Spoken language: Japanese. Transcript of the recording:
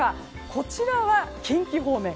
こちらは近畿方面。